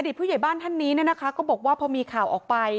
ผู้ใหญ่บ้านท่านนี้นะคะก็บอกว่าพอมีข่าวออกไป